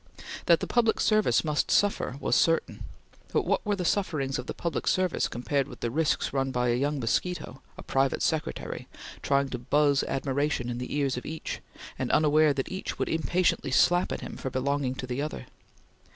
That the public service must suffer was certain, but what were the sufferings of the public service compared with the risks run by a young mosquito a private secretary trying to buzz admiration in the ears of each, and unaware that each would impatiently slap at him for belonging to the other?